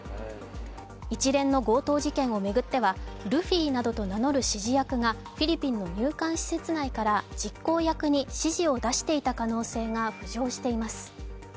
一連の強盗事件をめぐってはルフィなどと名乗る指示役がフィリピンの入管施設内から実行役に指示を出していた可能性が浮上しています。